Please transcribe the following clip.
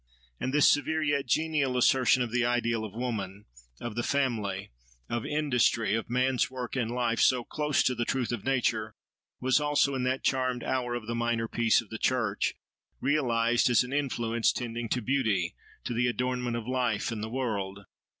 And this severe yet genial assertion of the ideal of woman, of the family, of industry, of man's work in life, so close to the truth of nature, was also, in that charmed hour of the minor "Peace of the church," realised as an influence tending to beauty, to the adornment of life and the world.